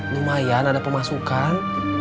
lumayan ada pemasukan